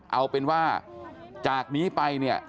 เอาเป็นว่าจากนี้ไปเนี่ย